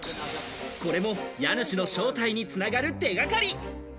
これも家主の正体に繋がる手掛かり。